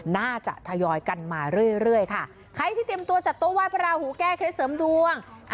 น่าจะทยอยกันมาเรื่อยค่ะใครที่เตรียมตัวจัดโต๊ะไห้พระราหูแก้เคล็ดเสริมดวง